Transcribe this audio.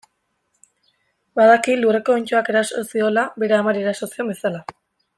Badaki lurreko onddoak eraso ziola, bere amari eraso zion bezala.